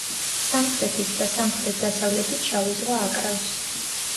სამხრეთით და სამხრეთ დასავლეთით შავი ზღვა აკრავს.